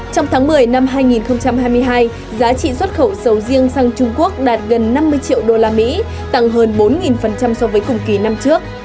trong tháng một mươi năm hai nghìn hai mươi hai giá trị xuất khẩu sầu riêng sang trung quốc đạt gần năm mươi triệu usd tăng hơn bốn so với cùng kỳ năm trước